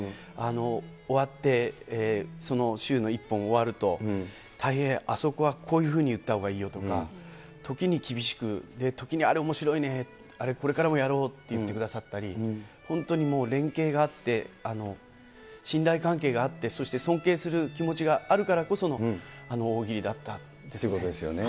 終わって、その週の１本終わると、たい平、あそこはこういうふうに言ったほうがいいよとか、時に厳しく、時にあれおもしろいね、あれこれからもやろうって言ってくださったり、本当にもう、れんけいがあって、信頼関係があって、そして尊敬する気持ちがあるからこその、あの大喜利だったんですよね。ということですよね。